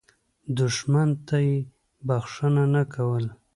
دښمن ته یې بخښنه نه کول.